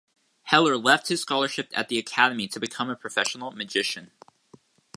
Heller left his scholarship at the academy to become a professional magician.